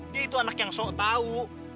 dia itu anak yang sok tahu